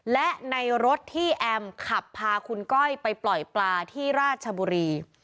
และในรถที่แอมขับพาคุณก้อยไปปล่อยปลาที่ราชบุรี